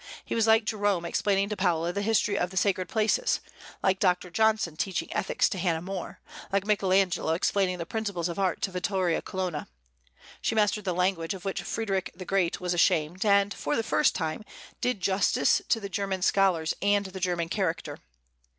He was like Jerome explaining to Paula the history of the sacred places; like Dr. Johnson teaching ethics to Hannah More; like Michael Angelo explaining the principles of art to Vittoria Colonna. She mastered the language of which Frederick the Great was ashamed, and, for the first time, did justice to the German scholars and the German character.